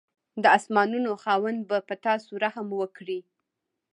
د اسمانانو خاوند به په تاسو رحم وکړي.